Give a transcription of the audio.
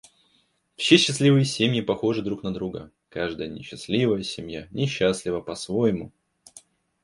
Все счастливые семьи похожи друг на друга, каждая несчастливая семья несчастлива по-своему.